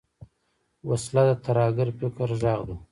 وسله د ترهګر فکر غږ ده